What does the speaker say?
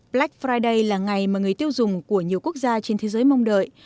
black friday là ngày mà người tiêu dùng của nhiều quốc gia trên thế giới mong đợi